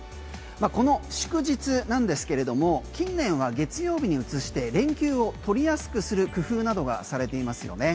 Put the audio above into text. この祝日なんですけれども近年は月曜日に移して連休を取りやすくする工夫などがされていますよね。